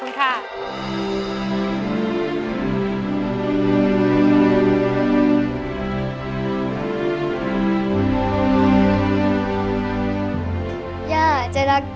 ย่าอยากจ้านักย่าได้ลูก